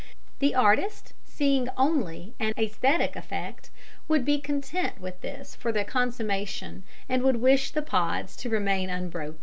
The artist, seeking only an æsthetic effect would be content with this for the consummation and would wish the pods to remain unbroken.